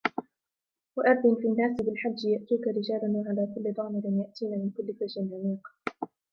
وأذن في الناس بالحج يأتوك رجالا وعلى كل ضامر يأتين من كل فج عميق